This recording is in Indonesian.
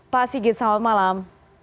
pak sigit selamat malam